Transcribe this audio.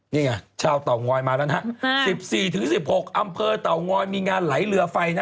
นี่ไงชาวเตาง้อยมาแล้วนะฮะสิบสี่ถึงสิบหกอัมเภอเตาง้อยมีงานไหลเรือไฟนะ